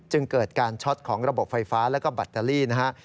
จึงเกิดการช็อตของระบบไฟฟ้าและบัตเตอรี่